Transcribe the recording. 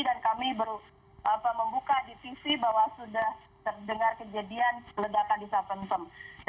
dan kami baru membuka di tv bahwa sudah terdengar kejadian ledakan di sampen sampen